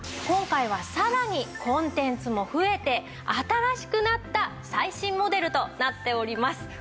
今回はさらにコンテンツも増えて新しくなった最新モデルとなっております。